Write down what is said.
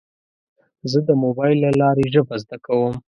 زه د موبایل له لارې ژبه زده کوم.